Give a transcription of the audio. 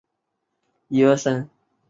可以通过过桥到达城堡。